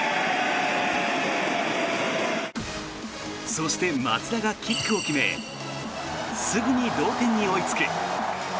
そして、松田がキックを決めすぐに同点に追いつく。